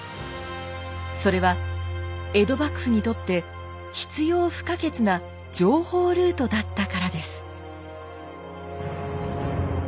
それは江戸幕府にとって必要不可欠な情報ルートだったからです。